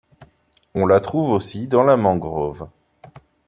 On la trouve aussi dans la mangrove.